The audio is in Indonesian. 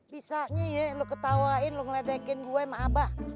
bisanya lu ketawain lu ngeledekin gue sama abah